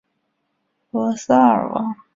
格萨尔王